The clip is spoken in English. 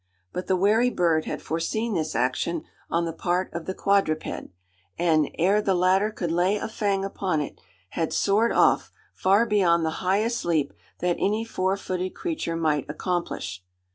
But the wary bird had foreseen this action on the part of the quadruped; and, ere the latter could lay a fang upon it, had soared off far beyond the highest leap that any four footed creature might accomplish.